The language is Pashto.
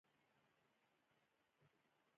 هماغه یو کیلو وریجې اوس په لس افغانۍ اخلو